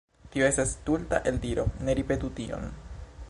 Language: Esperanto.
Tio estas stulta eldiro, ne ripetu tion.